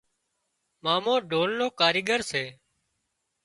مامو ڍول نو ڪاريڳر سي